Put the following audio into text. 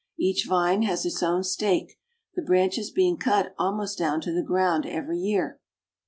Each vine has its own stake, the branches being cut almost down to the ground every year.